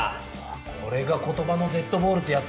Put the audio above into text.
これが言葉のデッドボールってやつか！